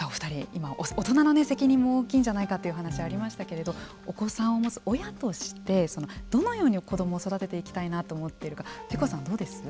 今、大人の責任も大きいんじゃないかというお話がありましたけれどもお子さんを持つ親としてどのように子どもを育てていきたいなと思っているかｐｅｃｏさん、どうです？